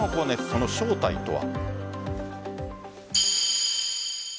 その正体とは。